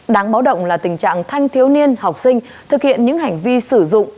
đáng báo động là tình trạng thanh thiếu niên học sinh thực hiện những hành vi sử dụng